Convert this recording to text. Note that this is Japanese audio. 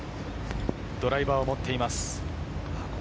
ドライバーを持っています。